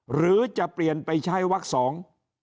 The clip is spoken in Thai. หรือจะเปลี่ยนไปใช้วักสอง